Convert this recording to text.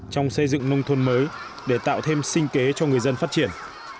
trong xây dựng nông thôn mới để tạo thêm sinh kế cho người dân phát triển